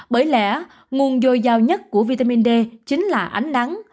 bởi lẽ nguồn dồi dào nhất của vitamin d chính là ánh nắng